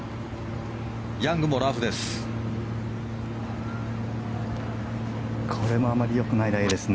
ヤングもラフです。